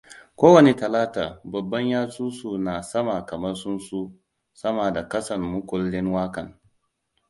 Kowani Talata babban yatsu su na sama kamar tsuntsu sama da kasan mukullin wakan.